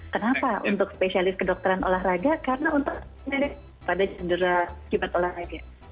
kenapa untuk spesialis kedokteran olahraga karena untuk menekan pada jendera jimat olahraga